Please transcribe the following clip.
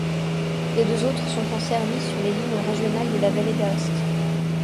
Les deux autres sont en service sur les lignes régionales de la Vallée d'Aoste.